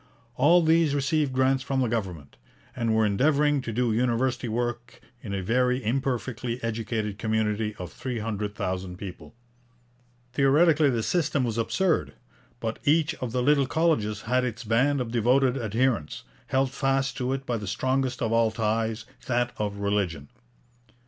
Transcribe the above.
All these received grants from the government, and were endeavouring to do university work in a very imperfectly educated community of three hundred thousand people. Theoretically this system was absurd. But each of the little colleges had its band of devoted adherents, held fast to it by the strongest of all ties, that of religion.